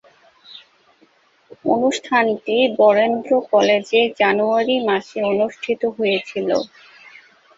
অনুষ্ঠানটি বরেন্দ্র কলেজে জানুয়ারি মাসে অনুষ্ঠিত হয়েছিলো।